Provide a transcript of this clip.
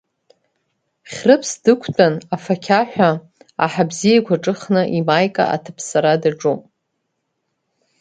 Хьрыԥс дықәтәан афақьаҳәа аҳа бзиақәа ҿыхны имаика аҭаԥсара даҿуп.